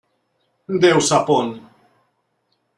Déu sap on!